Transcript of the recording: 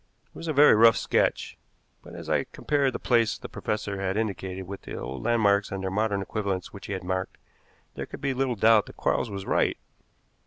It was a very rough sketch, but, as I compared the place the professor had indicated with the old landmarks and their modern equivalents which he had marked, there could be little doubt that Quarles was right.